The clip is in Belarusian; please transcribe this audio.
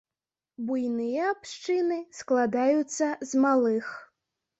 Буйныя абшчыны складаюцца з малых.